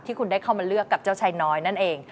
คุณได้เข้ามาเลือกกับเจ้าชายน้อยนั่นเอง